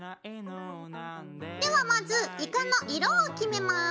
ではまずイカの色を決めます。